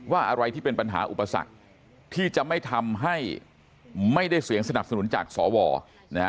อะไรที่เป็นปัญหาอุปสรรคที่จะไม่ทำให้ไม่ได้เสียงสนับสนุนจากสวนะฮะ